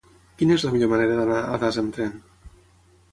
Quina és la millor manera d'anar a Das amb tren?